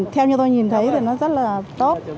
theo như tôi nhìn thấy thì nó rất là tốt